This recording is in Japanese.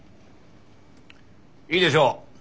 いいでしょう。